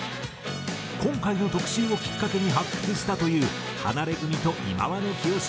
今回の特集をきっかけに発掘したというハナレグミと忌野清志郎